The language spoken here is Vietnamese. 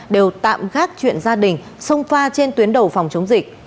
đều tạm gác chuyện gia đình sông pha trên tuyến đầu phòng chống dịch